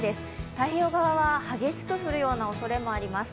太平洋側は激しく降るようなおそれもあります。